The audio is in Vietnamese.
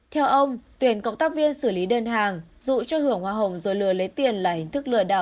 theo ông tuyển cộng tác viên xử lý đơn hàng dụ cho hưởng hoa hồng rồi lừa lấy tiền là hình thức lừa đảo